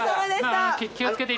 気を付けて。